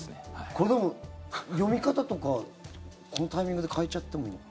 これ、でも、読み方とかこのタイミングで変えちゃってもいいの？